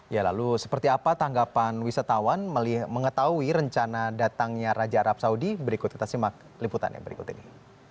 ya lalu seperti apa tanggapan wisatawan mengetahui rencana datangnya raja arab saudi berikut kita simak liputannya berikut ini